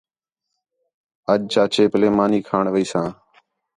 اَڄ چاچے پلے مانی کھاݨ ویساں